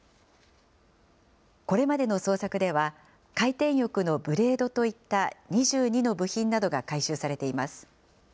これまでの捜索では、回転翼のブレードといった２２の部品などが回収されています。